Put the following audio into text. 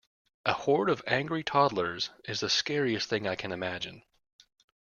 A horde of angry toddlers is the scariest thing I can imagine.